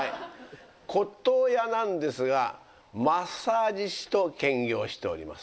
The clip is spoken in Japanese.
骨董屋なんですがマッサージ師と兼業しております。